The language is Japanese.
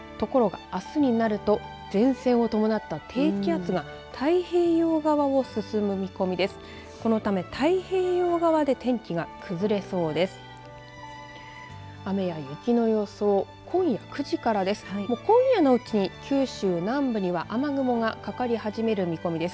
このため太平洋側で天気が崩れそうです。